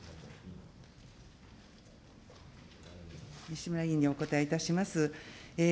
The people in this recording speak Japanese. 西村委員にお答えいたします。